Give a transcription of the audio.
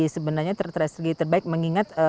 sebenarnya terbaik mengingat